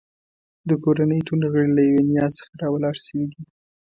د کورنۍ ټول غړي له یوې نیا څخه راولاړ شوي دي.